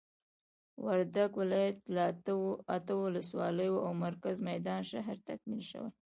وردګ ولايت له اته ولسوالیو او مرکز میدان شهر تکمیل شوي دي.